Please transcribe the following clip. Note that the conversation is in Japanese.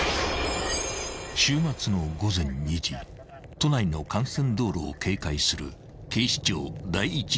［都内の幹線道路を警戒する］